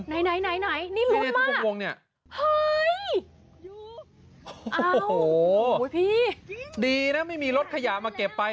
ไหนนี่ลุ้นมากเฮ้ยโอ้โหดีนะไม่มีรถขยามาเก็บไป